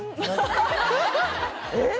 えっ？